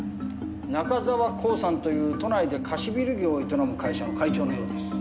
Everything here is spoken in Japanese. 中沢恒産という都内で貸しビル業を営む会社の会長のようです。